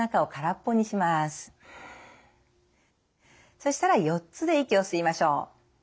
そしたら４つで息を吸いましょう。